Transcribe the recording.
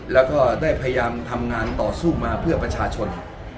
แล้วก็ได้พยายามทำงานต่อสู้มาเพื่อประชาชน